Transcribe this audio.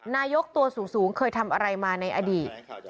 นายกตัวสูงเคยทำอะไรมาในอดีต